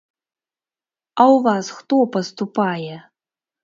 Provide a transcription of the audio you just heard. А ў вас хто паступае?